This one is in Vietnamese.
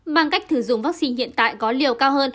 bằng cách thử dụng vaccine hiện tại có liều cao